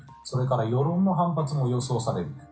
それから世論の反発も予想される。